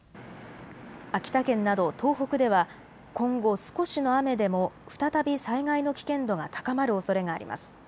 秋田県など東北では今後、少しの雨でも再び災害の危険度が高まるおそれがあります。